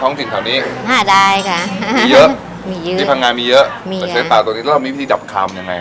เนื้อมันหวาน